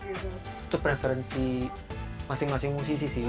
itu preferensi masing masing musisi sih